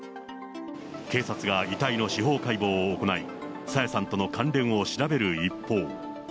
警察が遺体の司法解剖を行い、朝芽さんとの関連を調べる一方。